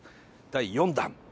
第４弾。